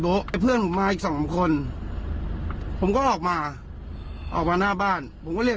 ไอ้เพื่อนผมมาอีกสองคนผมก็ออกมาออกมาหน้าบ้านผมก็เรียก